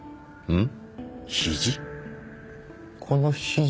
うん！